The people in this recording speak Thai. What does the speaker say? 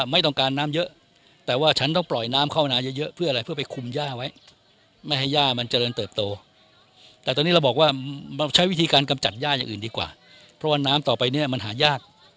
มีแรงนาลดตลอดเวลา